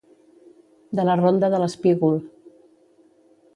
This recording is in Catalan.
De la ronda de l'espígol.